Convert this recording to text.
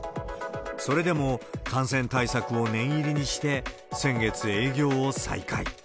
それでも、感染対策を念入りにして、先月、営業を再開。